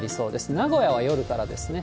名古屋は夜からですね。